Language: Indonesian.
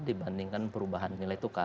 dibandingkan perubahan nilai tukar